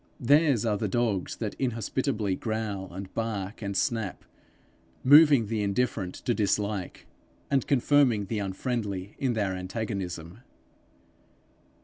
Theirs are the dogs that inhospitably growl and bark and snap, moving the indifferent to dislike, and confirming the unfriendly in their antagonism.